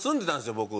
僕。